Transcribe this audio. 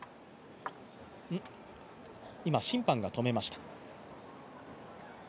今、審判が止めました。